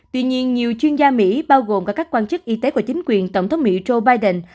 tuy nhiên nhiều chuyên gia mỹ bao gồm cả các quan chức y tế và chính quyền tổng thống mỹ joe biden